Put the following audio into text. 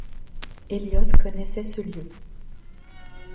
Eliot connaissait ce lieu.